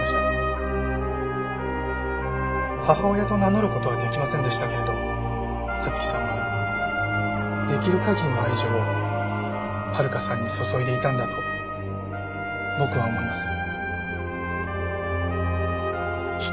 母親と名乗る事はできませんでしたけれど彩月さんはできる限りの愛情を温香さんに注いでいたんだと僕は思います。